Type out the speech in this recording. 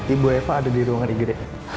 ibu eva ada di ruangan igd